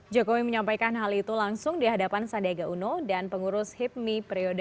jokowi menyampaikan hal itu langsung di hadapan sandiaga uno dan pengurus hipmi periode dua ribu sembilan belas dua ribu dua puluh dua